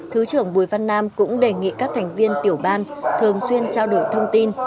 thứ trưởng bùi văn nam cũng đề nghị các thành viên tiểu ban thường xuyên trao đổi thông tin